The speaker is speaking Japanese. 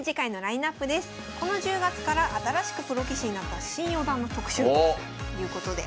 この１０月から新しくプロ棋士になった新四段の特集ということで。